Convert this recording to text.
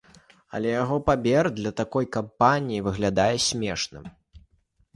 Але яго памер для такой кампаніі выглядае смешным.